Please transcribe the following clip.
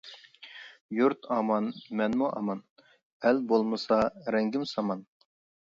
يۇرت ئامان مەنمۇ ئامان، ئەل بولمىسا رەڭگىم سامان.